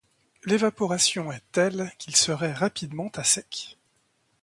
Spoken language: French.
L’évaporation est telle qu’ils seraient rapidement à sec.